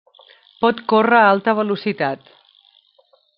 Pot córrer a alta velocitat.